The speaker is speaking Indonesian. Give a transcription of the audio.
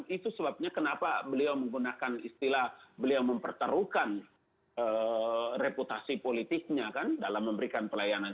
itu sebabnya kenapa beliau menggunakan istilah beliau mempertaruhkan reputasi politiknya kan dalam memberikan pelayanan